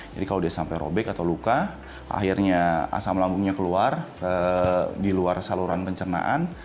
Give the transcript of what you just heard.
jadi kalau dia sampai robek atau luka akhirnya asam lambungnya keluar di luar saluran pencernaan